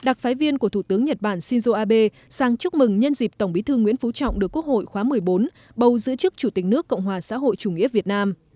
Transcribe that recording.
đặc phái viên của thủ tướng nhật bản shinzo abe sang chúc mừng nhân dịp tổng bí thư nguyễn phú trọng được quốc hội khóa một mươi bốn bầu giữ chức chủ tịch nước cộng hòa xã hội chủ nghĩa việt nam